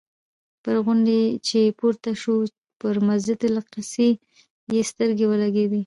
پر غونډۍ چې پورته شو پر مسجد الاقصی یې سترګې ولګېدې.